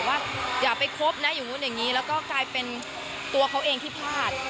ว่าอย่าไปคบนะอย่างนู้นอย่างนี้แล้วก็กลายเป็นตัวเขาเองที่พลาด